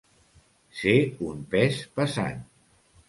Ser un pes pesant.